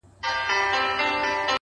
خو پر زړه مي سپين دسمال د چا د ياد’